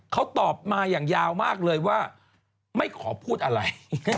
เขาตอบมาอย่างยาวมากเลยว่าไม่ขอพูดอะไร